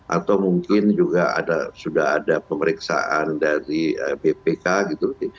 atau mungkin juga sudah ada pemeriksaan dari bpk gitu